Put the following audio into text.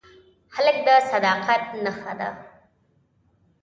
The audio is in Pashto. هلک د صداقت نښه ده.